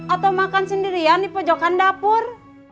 atau makan sendirian di pojokan dapur